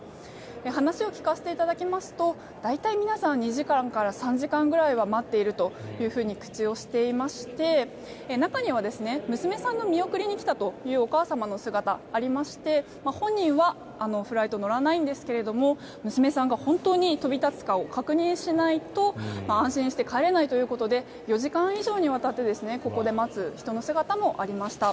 話を聞かせていただきますと大体皆さん２時間から３時間くらいは待っているというふうに口にしていまして中には娘さんの見送りに来たというお母さんの姿がありまして本人はフライト乗らないんですが娘さんが本当に飛び立つかを確認しないと安心して帰れないということで４時間以上にわたってここで待つ人の姿もありました。